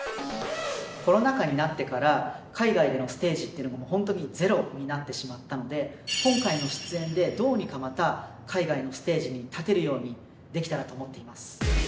コロナ禍になってから、海外でのステージっていうのが本当にゼロになってしまったので、今回の出演で、どうにかまた、海外のステージに立てるようにできたらと思っています。